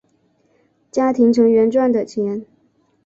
家庭成员赚的钱